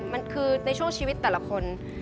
มันคือในช่วงชีวิตแต่ละคน